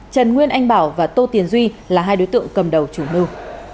trần nguyên anh bảo và tô tiền duy là hai đối tượng cầm đầu chủ mưu